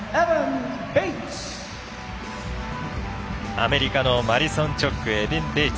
アメリカのマディソン・チョックエバン・ベイツ。